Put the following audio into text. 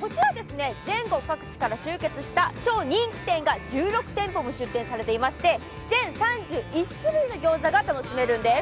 こちら全国各地から集結した超人気店が１６店舗も出店されていまして、全３１種類の餃子が楽しめるんです。